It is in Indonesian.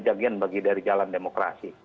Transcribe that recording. dan bagi dari jalan demokrasi